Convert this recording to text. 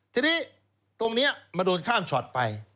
ทีนี้ตรงเนี่ยมาโดนข้ามชอตไป